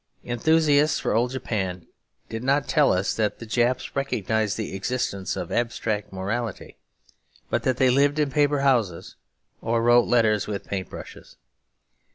Enthusiasts for old Japan did not tell us that the Japs recognised the existence of abstract morality; but that they lived in paper houses or wrote letters with paint brushes.